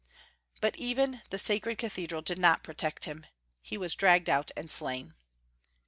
But even the sacred cathedral did not protect him. He was dragged out and slain.